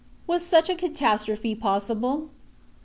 WAS SUCH A CATASTROPHE POSSIBLE?